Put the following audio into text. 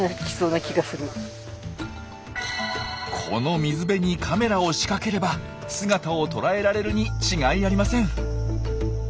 この水辺にカメラを仕掛ければ姿をとらえられるに違いありません。